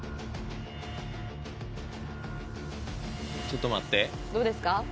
ちょっと待ってどうですか？